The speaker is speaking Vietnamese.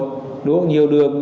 đúng không nhiều đường